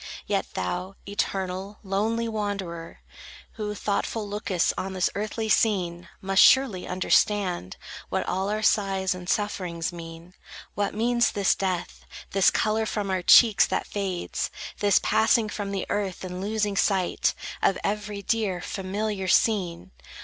Yet thou, eternal, lonely wanderer, Who, thoughtful, lookest on this earthly scene, Must surely understand What all our sighs and sufferings mean; What means this death, This color from our cheeks that fades, This passing from the earth, and losing sight Of every dear, familiar scene.